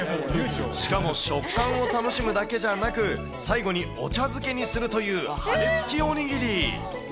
しかも食感を楽しむだけじゃなく、最後にお茶漬けにするという羽根つきおにぎり。